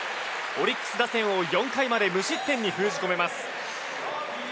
オリックス打線を４回まで無失点に封じ込めます。